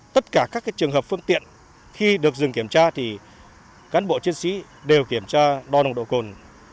tất cả các trường hợp phương tiện khi được dừng kiểm tra thì cán bộ chiến sĩ đều kiểm tra đo nồng độ cồn